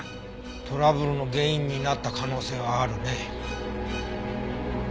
トラブルの原因になった可能性はあるね。